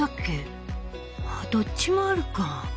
どっちもあるか。